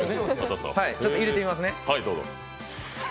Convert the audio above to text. ちょっと入れてみますね。